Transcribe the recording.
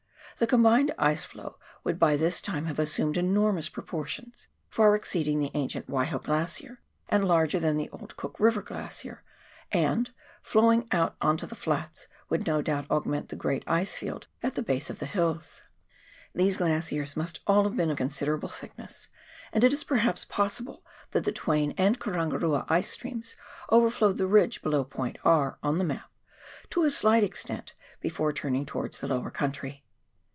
The combined ice flow would by this time have assumed enormous proportions — far exceeding the ancient Waiho Glacier, and larger than the old Cook River Glacier — and, flowing out on to the flats, would no doubt augment the great ice field at the base of the hills. These glaciers must all have been of considerable thickness, and it is perhaps possible that the Twain and Karangarua ice streams overflowed the ridge below point R., on the map, to a slight extent before turning towards the lower country.